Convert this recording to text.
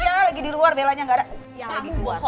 iya lagi di luar bellanya gak ada